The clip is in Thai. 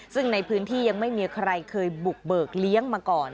ซึ่งในพื้นที่ยังไม่มีใครเคยบุกเบิกเลี้ยงมาก่อน